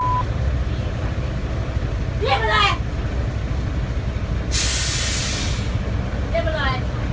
เงียบเหรอต่างไม่เปิด